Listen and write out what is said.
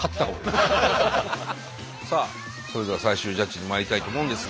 さあそれでは最終ジャッジにまいりたいと思うのですが。